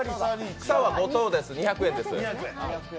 草は５等です、２００円です。